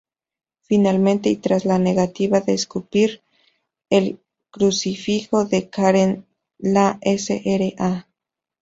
Finalmente, y tras la negativa de escupir el crucifijo de Karen, la Sra.